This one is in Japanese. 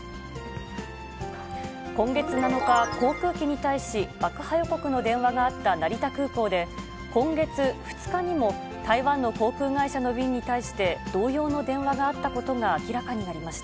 今月７日、航空機に対し、爆破予告の電話があった成田空港で、今月２日にも、台湾の航空会社の便に対して、同様の電話があったことが明らかになりました。